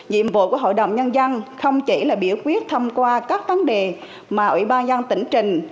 nhiệm vụ của hội đồng nhân dân không chỉ là biểu quyết thông qua các vấn đề mà ủy ban nhân tỉnh trình